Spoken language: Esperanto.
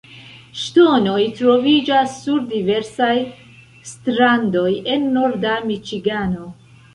Ŝtonoj troviĝas sur diversaj strandoj en norda Miĉigano.